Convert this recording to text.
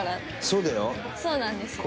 そうなんですよ。